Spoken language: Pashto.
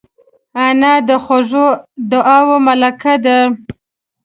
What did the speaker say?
انا د خوږو دعاوو ملکه ده